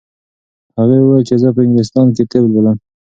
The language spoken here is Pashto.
هغې وویل چې زه په انګلستان کې طب لولم.